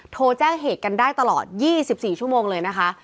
โทรแจ้งเหตุกันได้ตลอด๒๔ชั่วโมงเลยนะคะ